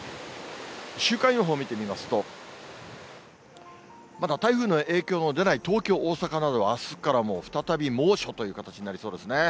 週間予報を見てみますと、まだ台風の影響の出ない東京、大阪などは、あすからもう再び猛暑という形になりそうですね。